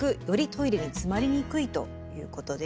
トイレにつまりにくいということです。